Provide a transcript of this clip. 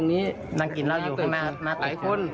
มาเต้น